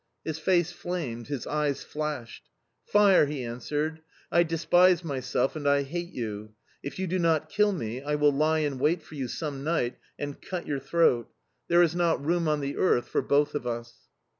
His face flamed, his eyes flashed. "Fire!" he answered. "I despise myself and I hate you. If you do not kill me I will lie in wait for you some night and cut your throat. There is not room on the earth for both of us"...